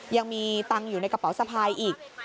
ยังมีตังค์อยู่ในกระเป๋าสะพายอีก